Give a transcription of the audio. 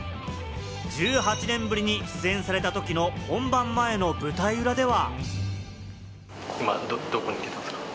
１８年ぶりに出演されたときの本番前の舞台裏では。